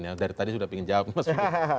yang dari tadi sudah ingin jawab mas pipin